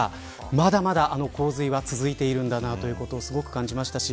まだまだあの洪水が続いているんだということをすごく感じましたし